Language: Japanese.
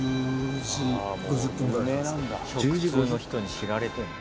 食通の人に知られてるんだ。